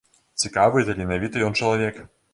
Цікавы і таленавіты ён чалавек.